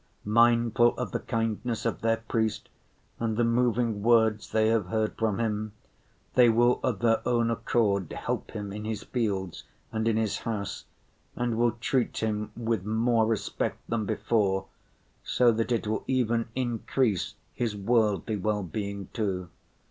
Mindful of the kindness of their priest and the moving words they have heard from him, they will of their own accord help him in his fields and in his house, and will treat him with more respect than before—so that it will even increase his worldly well‐being too.